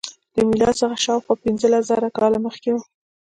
له میلاد څخه شاوخوا پنځلس زره کاله مخکې و.